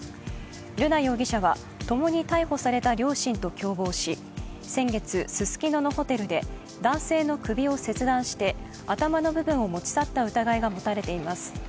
瑠奈容疑者は共に逮捕された両親と共謀し、先月、ススキノのホテルで男性の首を切断して、頭の部分を持ち去った疑いが持たれています。